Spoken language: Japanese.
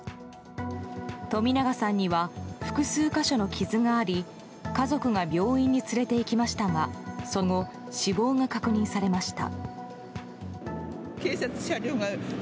冨永さんには複数箇所の傷があり家族が病院に連れていきましたがその後、死亡が確認されました。